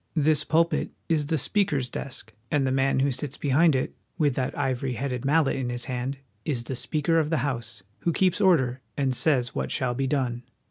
This pulpit is the Speaker's desk, and the man who sits behind it, with that ivory headed mallet in his hand, is the Speaker of the House, who keeps order and says what shall be done.